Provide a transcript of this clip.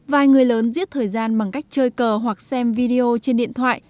vài người lớn giết thời gian bằng cách chơi cờ hoặc xem video trên điện thoại